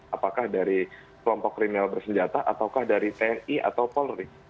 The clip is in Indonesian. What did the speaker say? apakah dari kelompok kriminal bersenjata ataukah dari tni atau polri